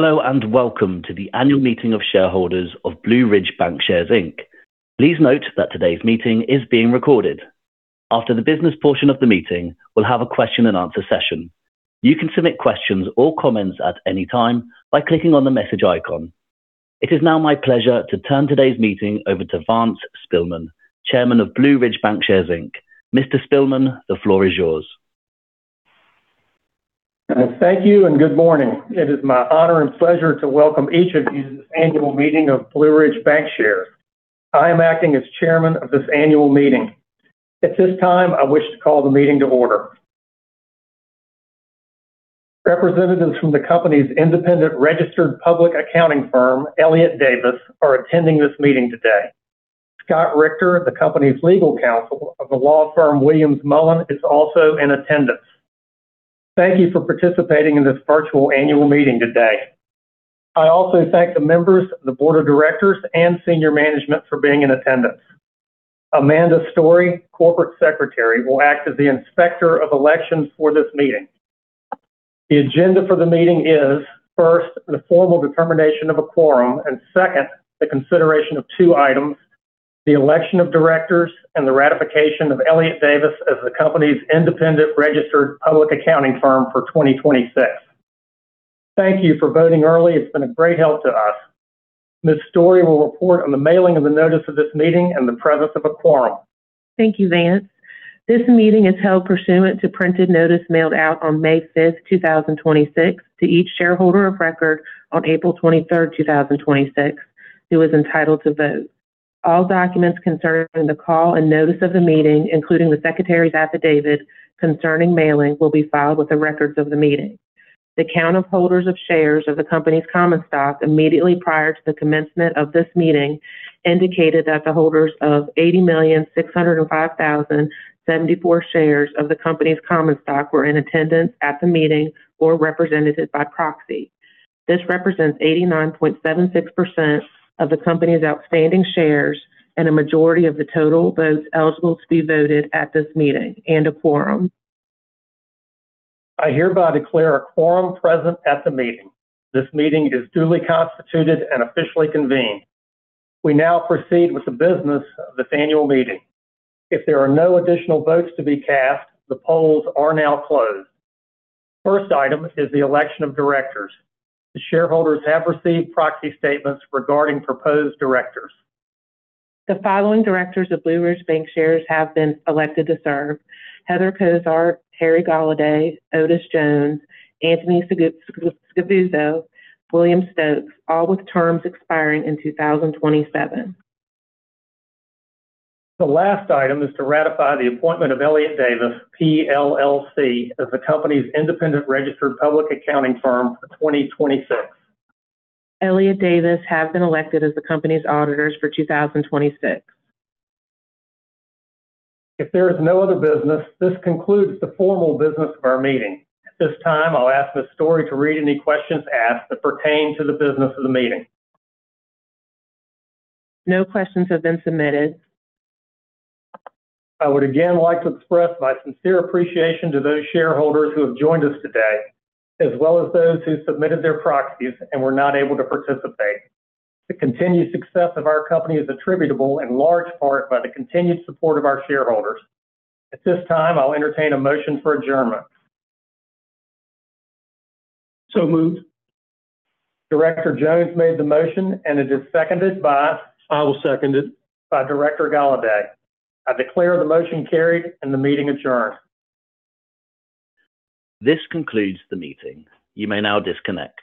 Hello, welcome to the annual meeting of shareholders of Blue Ridge Bankshares, Inc. Please note that today's meeting is being recorded. After the business portion of the meeting, we'll have a question and answer session. You can submit questions or comments at any time by clicking on the message icon. It is now my pleasure to turn today's meeting over to Vance Spilman, chairman of Blue Ridge Bankshares, Inc. Mr. Spilman, the floor is yours. Thank you, good morning. It is my honor and pleasure to welcome each of you to this annual meeting of Blue Ridge Bankshares. I am acting as chairman of this annual meeting. At this time, I wish to call the meeting to order. Representatives from the company's independent registered public accounting firm, Elliott Davis, are attending this meeting today. Scott Richter, the company's legal counsel of the law firm Williams Mullen, is also in attendance. Thank you for participating in this virtual annual meeting today. I also thank the members of the board of directors and senior management for being in attendance. Amanda Story, Corporate Secretary, will act as the inspector of elections for this meeting. The agenda for the meeting is, first, the formal determination of a quorum, and second, the consideration of two items, the election of directors, and the ratification of Elliott Davis as the company's independent registered public accounting firm for 2026. Thank you for voting early. It's been a great help to us. Ms. Story will report on the mailing of the notice of this meeting and the presence of a quorum. Thank you, Vance. This meeting is held pursuant to printed notice mailed out on May 5th, 2026, to each shareholder of record on April 23rd, 2026, who is entitled to vote. All documents concerning the call and notice of the meeting, including the secretary's affidavit concerning mailing, will be filed with the records of the meeting. The count of holders of shares of the company's common stock immediately prior to the commencement of this meeting indicated that the holders of 80,605,074 shares of the company's common stock were in attendance at the meeting or represented by proxy. This represents 89.76% of the company's outstanding shares and a majority of the total votes eligible to be voted at this meeting, and a quorum. I hereby declare a quorum present at the meeting. This meeting is duly constituted and officially convened. We now proceed with the business of this annual meeting. If there are no additional votes to be cast, the polls are now closed. First item is the election of directors. The shareholders have received proxy statements regarding proposed directors. The following directors of Blue Ridge Bankshares have been elected to serve: Heather Cozart, Harry Golliday, Otis Jones, Anthony Scavuzzo, William Stokes, all with terms expiring in 2027. The last item is to ratify the appointment of Elliott Davis PLLC as the company's independent registered public accounting firm for 2026. Elliott Davis have been elected as the company's auditors for 2026. If there is no other business, this concludes the formal business of our meeting. At this time, I'll ask Ms. Story to read any questions asked that pertain to the business of the meeting. No questions have been submitted. I would again like to express my sincere appreciation to those shareholders who have joined us today, as well as those who submitted their proxies and were not able to participate. The continued success of our company is attributable in large part by the continued support of our shareholders. At this time, I'll entertain a motion for adjournment. Moved. Director Jones made the motion and it is seconded by? I will second it. By Director Golliday. I declare the motion carried and the meeting adjourned. This concludes the meeting. You may now disconnect.